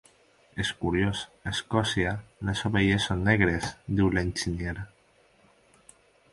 És curiós, a Escòcia les ovelles són negres –diu l'enginyer.